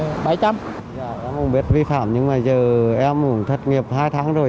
em không biết vi phạm nhưng mà giờ em cũng thất nghiệp hai tháng rồi